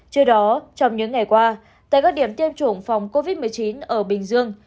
trước đó trong những ngày qua tại các điểm tiêm chủng phòng covid một mươi chín ở bình dương